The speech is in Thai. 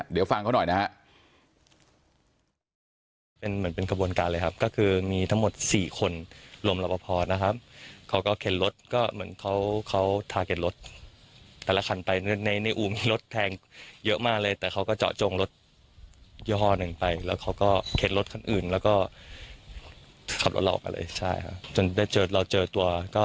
เดี๋ยวฟังเขาหน่อยนะฮะ